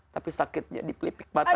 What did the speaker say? tapi sakitnya di pelipik mata